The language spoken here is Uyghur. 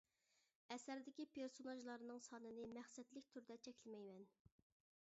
ئەسەردىكى پېرسوناژلارنىڭ سانىنى مەقسەتلىك تۈردە چەكلىمەيمەن.